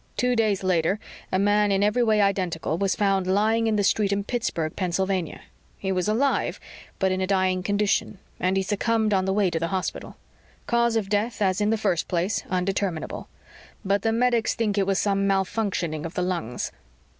Two days later, a man, in every way identical, was found lying in the street in Pittsburgh, Pennsylvania. He was alive, but in a dying condition, and he succumbed on the way to the hospital. Cause of death, as in the first place, undeterminable. But the medics think it was some malfunctioning of the lungs.